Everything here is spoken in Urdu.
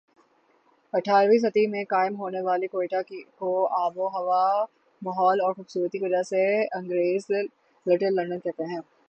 اٹھارہویں صدی میں قائم ہونے والے کوئٹہ کو آب و ہوا ماحول اور خوبصورتی کی وجہ سے انگریز لٹل لندن کہتے تھے